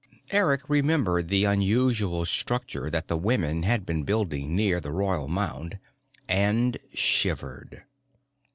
Eric remembered the unusual structure that the women had been building near the Royal Mound and shivered.